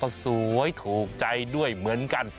ก็สวยถูกใจด้วยเหมือนกัน